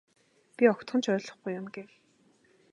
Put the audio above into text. Би огтхон ч ойлгохгүй юм гэв.